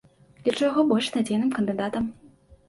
Лічу яго больш надзейным кандыдатам.